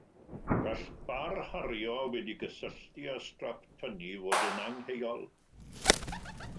Gall bar hario wedi'i gysylltu â strap tynnu fod yn angheuol.